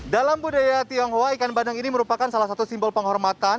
dalam budaya tionghoa ikan bandeng ini merupakan salah satu simbol penghormatan